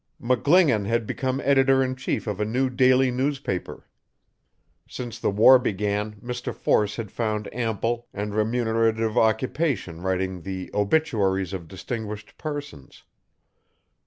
McGlingan had become editor in chief of a new daily newspaper. Since the war began Mr Force had found ample and remunerative occupation writing the 'Obituaries of Distinguished Persons.